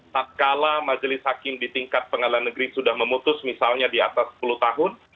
tak kalah majelis hakim di tingkat pengadilan negeri sudah memutus misalnya di atas sepuluh tahun